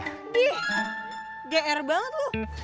ih gr banget lu